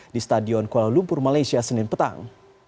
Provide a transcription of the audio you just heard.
di stadion kuala lumpur malaysia senin petang